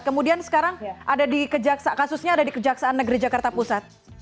kemudian sekarang ada di kejaksaan kasusnya ada di kejaksaan negeri jakarta pusat